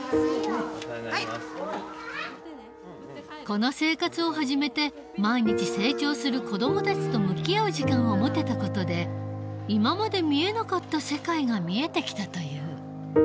この生活を始めて毎日成長する子どもたちと向き合う時間を持てた事で今まで見えなかった世界が見えてきたという。